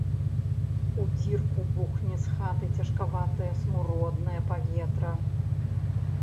У дзірку бухне з хаты цяжкаватае смуроднае паветра.